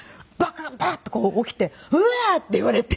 バッと起きて「うわっ！」って言われて。